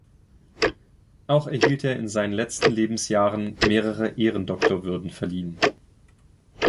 Auch erhielt er in seinen letzten Lebensjahren mehrere Ehrendoktorwürden verliehen.